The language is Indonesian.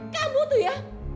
kamu tuh ya